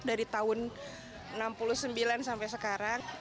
dari tahun seribu sembilan ratus enam puluh sembilan sampai sekarang